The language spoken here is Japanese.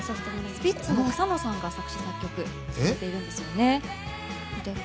スピッツの草野さんが作詞・作曲されてるんですよね。